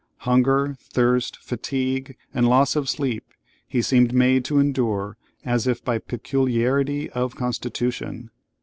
Hunger, thirst, fatigue, and loss of sleep he seemed made to endure as if by peculiarity of constitution.